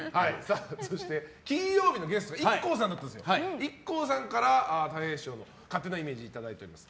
そして、金曜日のゲストＩＫＫＯさんだったんですがＩＫＫＯさんからたい平師匠の勝手なイメージいただいております。